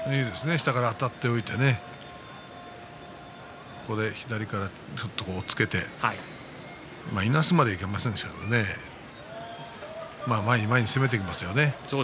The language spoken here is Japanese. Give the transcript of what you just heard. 下からあたっておいて左から押っつけていなすまではいけませんでしたけれども前に前に攻めていきましたよね。